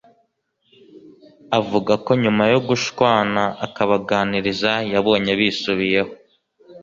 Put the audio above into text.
Avuga ko nyuma yo gushwana akabaganiriza yabonye bisubiyeho